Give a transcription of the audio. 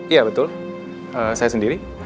iya betul saya sendiri